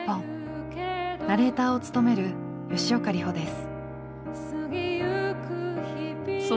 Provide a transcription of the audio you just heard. ナレーターを務める吉岡里帆です。